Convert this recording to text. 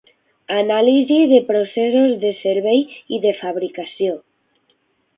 Anàlisi de processos de servei i de fabricació.